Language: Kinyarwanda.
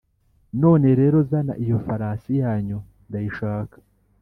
none rero zana iyo farasi yanyu ndayishaka